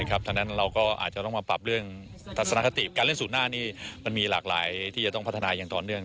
การเล่นสูตรหน้านี้มันมีหลากหลายที่จะต้องพัฒนาอย่างตอนเนื่อง